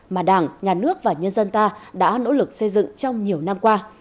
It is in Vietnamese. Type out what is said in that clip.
mà đảng nhà nước và nhân dân ta đã nỗ lực xây dựng trong nhiều năm qua